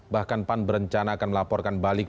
bahkan pan berencana akan melaporkan balik